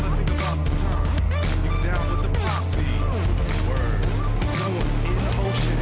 aku yakin ini pasti ada yang ngerjain kita